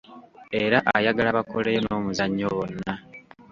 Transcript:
Era ayagala bakoleyo n'omuzannyo bonna.